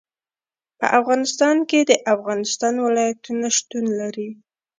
په افغانستان کې د افغانستان ولايتونه شتون لري.